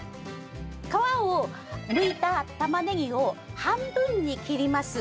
皮を剥いた玉ねぎを半分に切ります。